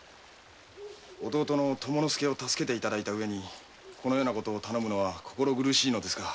弟の友之助を助けていただいた上にこのような事を頼むのは心苦しいのですが。